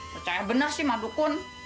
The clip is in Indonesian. percaya benar sih ma dukun